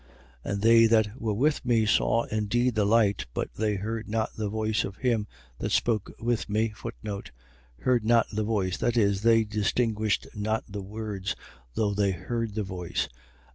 22:9. And they that were with me saw indeed the light: but they heard not the voice of him that spoke with me. Heard not the voice. . .That is, they distinguished not the words; though they heard the voice.